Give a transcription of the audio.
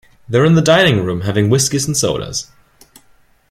They’re in the dining-room having whiskies-and-sodas.